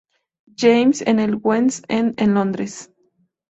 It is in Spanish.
James, en el West End de Londres.